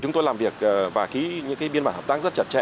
chúng tôi làm việc và ký những biên bản hợp tác rất chặt chẽ